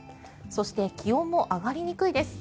そして気温も上がりにくいです。